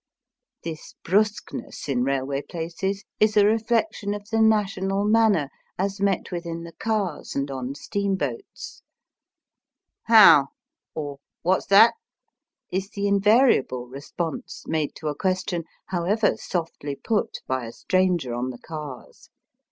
This brusqueness in railway places is a reflection of the national manner as met with in the cars and on steamboats. *^How?" or What's that ?" is the invariable response made to a question, however softly put by a stranger on the cars.